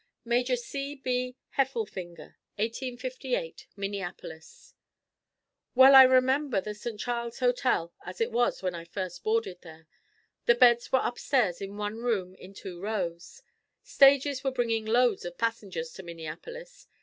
Major C. B. Heffelfinger 1858, Minneapolis. Well I remember the St. Charles hotel as it was when I first boarded there. The beds were upstairs in one room in two rows. Stages were bringing loads of passengers to Minneapolis.